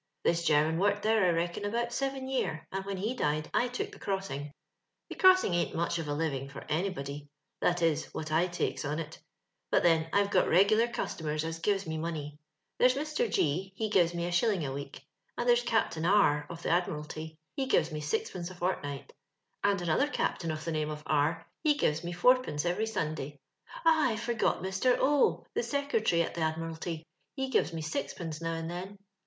This German worked there, I reckon, about seven year, and when he died I took the cross ing. •' The crossing ain't much of a lining for any body — that is, what I tixkos on it. But then I've got ngular customere as gives me money. There's Mr. G , he gives a shil ling a wcek; ond there's Captiun R , of the Adm'ralty, ho gives me sixiK?ncc a fort night; and another captain, of the name of R , he gives mo fourpence every Sunday. Ah ! Id forgot Mr. 0 , the Secretary at the Adm'ralty ; he gives me sixpence now and then.